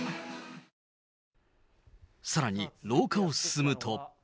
さらに、廊下を進むと。